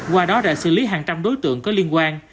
qua đó đã xử lý hàng trăm đối tượng có liên quan